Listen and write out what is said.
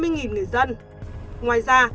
ba mươi người dân ngoài ra